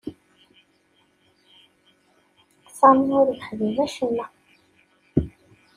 Sami ur yexdim acemma.